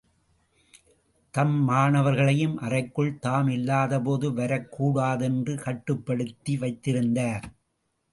தம் மாணவர்களையும் அறைக்குள் தாம் இல்லாதபோது வரக்கூடாதென்று கட்டுப்படுத்தி வைத்திருந்தார்.